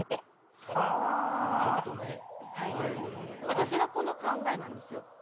私が、この考えなんですよ。